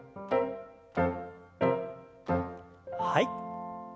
はい。